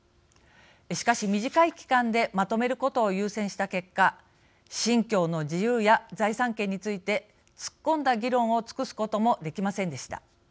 しかし、短い期間でまとめることを優先した結果信教の自由や財産権について突っ込んだ議論を尽くすこともできませんでした。